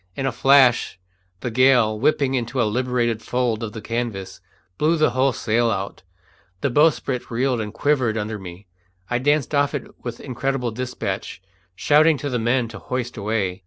In a flash the gale, whipping into a liberated fold of the canvas, blew the whole sail out; the bowsprit reeled and quivered under me; I danced off it with incredible despatch, shouting to the men to hoist away.